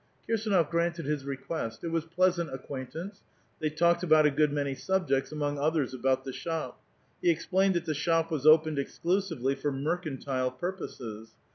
Kirsdnof granted his request ; it was pler.sant acquaint ance ; they talked about a good man}* subjects, among others about the shop. He explained that the shop was opened exclusively* for mercantile purposes.